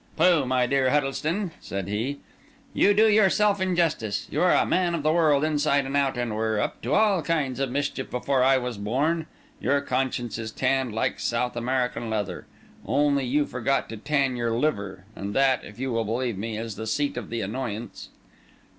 "Pooh, my dear Huddlestone!" said he. "You do yourself injustice. You are a man of the world inside and out, and were up to all kinds of mischief before I was born. Your conscience is tanned like South American leather—only you forgot to tan your liver, and that, if you will believe me, is the seat of the annoyance."